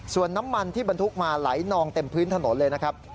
ส่วนน้ำมันที่บรรทุกมาไหลนองเต็มพื้นถนนเลยนะครับ